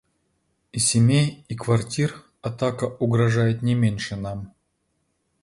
И семей и квартир атака угрожает не меньше нам.